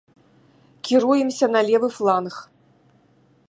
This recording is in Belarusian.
Кіруемся на левы фланг.